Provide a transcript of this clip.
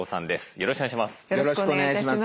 よろしくお願いします。